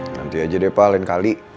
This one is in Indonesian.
nanti aja deh pak lain kali